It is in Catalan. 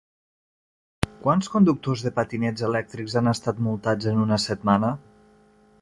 Quants conductors de patinets elèctrics han estat multats en una setmana?